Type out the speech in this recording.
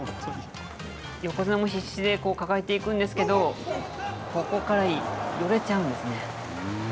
横綱も必死で抱えていくんですけれども、ここからよれちゃうんですね。